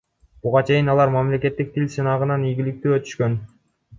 Буга чейин алар мамлекеттик тил сынагынан ийгиликтүү өтүшкөн.